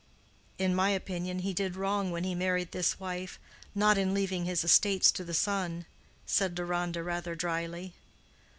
"In my opinion he did wrong when he married this wife—not in leaving his estates to the son," said Deronda, rather dryly.